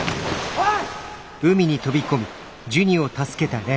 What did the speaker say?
おい！